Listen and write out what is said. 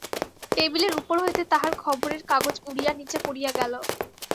টেবিলের উপর হইতে তাহার খবরের কাগজ উড়িয়া নীচে পড়িয়া গেল।